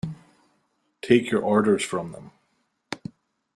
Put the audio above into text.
Take your orders from them.